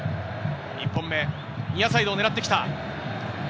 １本目、ニアサイドを狙って来た。